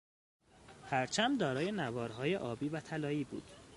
پرچم دارای نوارهای آبی و طلایی بود.